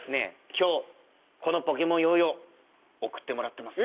今日このポケモンヨーヨー送ってもらってます。